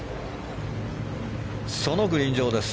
そのグリーン上です。